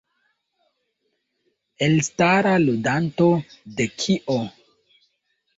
Elstara ludanto de Kio?